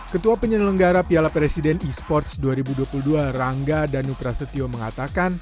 ketua penyelenggara piala presiden esports dua ribu dua puluh dua rangga danuprasetyo mengatakan